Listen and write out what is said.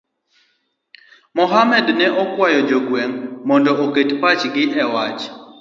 Mohamed ne okwayo jo gweng'no mondo oket pachgi e wach